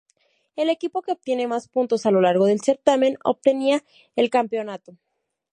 El equipo que obtiene más puntos a lo largo del certamen obtenía el campeonato.